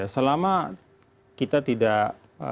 selama kita tidak